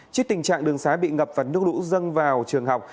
trích tình trạng đường sái bị ngập và nước lũ dâng vào trường học